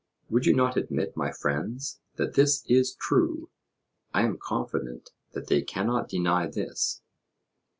Would you not admit, my friends, that this is true? I am confident that they cannot deny this.